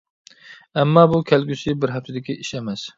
ئەمما، بۇ كەلگۈسى بىر ھەپتىدىكى ئىش ئەمەس.